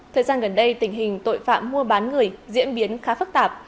thời gian gần đây tình hình tội phạm mua bán người diễn biến khá phức tạp